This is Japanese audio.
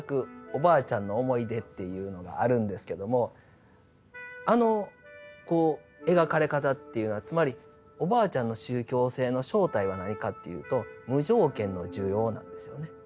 「おばあちゃんのおもいで」っていうのがあるんですけどもあのこう描かれ方っていうのはつまりおばあちゃんの宗教性の正体は何かっていうと「無条件の受容」なんですよね。